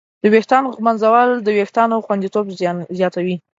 د ویښتانو ږمنځول د وېښتانو خوندیتوب زیاتوي.